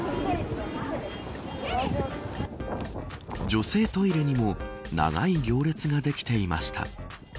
女性トイレにも長い行列ができていました。